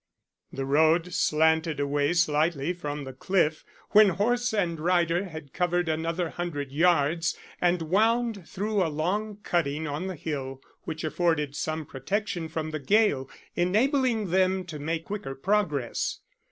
The road slanted away slightly from the cliff when horse and rider had covered another hundred yards, and wound through a long cutting on the hill which afforded some protection from the gale, enabling them to make quicker progress.